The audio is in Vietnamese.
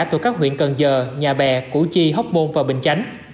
thuộc các huyện cần giờ nhà bè củ chi hóc môn và bình chánh